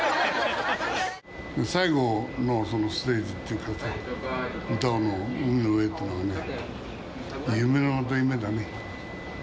最後のそのステージっていうか、歌うの、海の上っていうのはね、夢のまた夢だね。